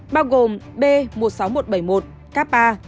bao gồm b một mươi sáu nghìn một trăm bảy mươi một kpa